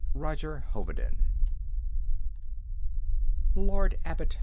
ROGER HOVEDEN. "Lord Abbot!